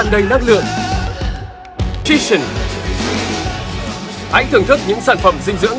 được khách hàng tin chọn